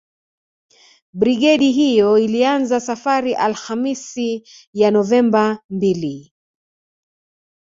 Brigedi hiyo ilianza safari Alhamisi ya Novemba mbili